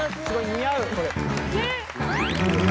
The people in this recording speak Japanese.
似合う！